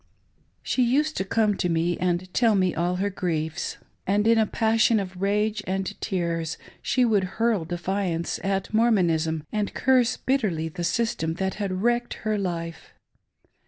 She used to come to me and tell me all her griefs ; and in a passion of rage and tears she would hurl defiance at Mor monism and curse bitterly the system that had wrecked her life.